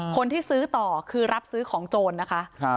คนที่ซื้อต่อคือรับซื้อของโจรนะคะ